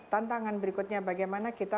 tantangan berikutnya bagaimana kita